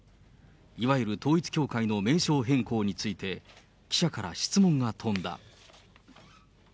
いわゆる統一教会の名称変更について、記者から質問が飛んだ。